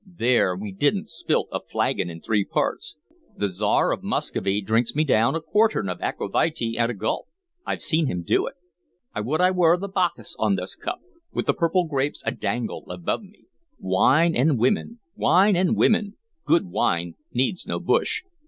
"There we did n't split a flagon in three parts.... The Tsar of Muscovy drinks me down a quartern of aqua vitae at a gulp, I've seen him do it....I would I were the Bacchus on this cup, with the purple grapes adangle above me.... Wine and women wine and women... good wine needs no bush...